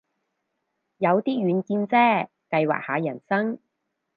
有啲遠見啫，計劃下人生